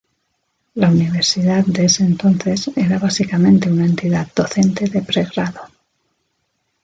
La universidad de ese entonces era básicamente una entidad docente de pre-grado.